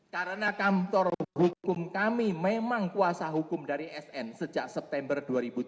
karena kantor hukum kami memang kuasa hukum dari sn sejak september dua ribu tujuh belas